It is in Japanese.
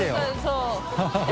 そう。